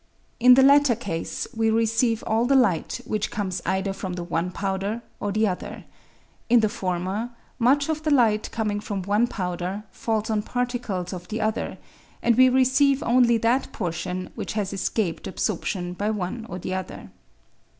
In the latter case we receive all the light which comes either from the one powder or the other. In the former, much of the light coming from one powder falls on particles of the other, and we receive only that portion which has escaped absorption by one or other.